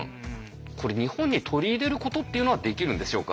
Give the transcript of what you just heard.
これ日本に取り入れることっていうのはできるんでしょうか？